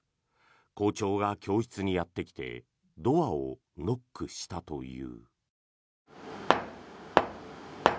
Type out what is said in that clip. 校長が教室にやってきてドアをノックしたという。